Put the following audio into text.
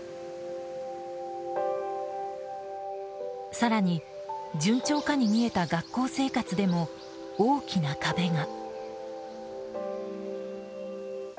更に、順調かに見えた学校生活でも大きな壁が。